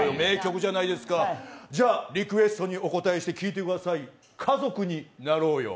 じゃあリクエストにお応えして、聴いてください、「家族になろうよ」。